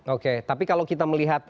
oke tapi kalau kita melihat